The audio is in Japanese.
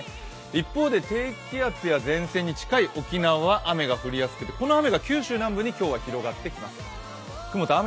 一方で低気圧や前線に近い沖縄は雨が降りやすくて、この雨が九州にだんだん広がっていきます。